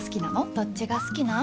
どっちが好きなん？